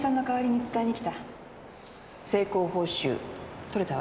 成功報酬取れたわよ。